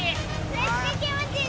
めっちゃ気もちいい！